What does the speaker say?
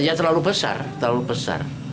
ya terlalu besar terlalu besar